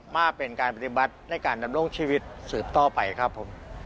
มาเป็นการปฏิบัติในการดำรงชีวิตสืบต่อไปครับผม